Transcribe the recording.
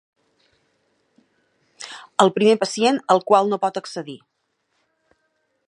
El primer pacient al qual no pot accedir.